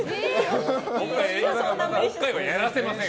もう１回はやらせません。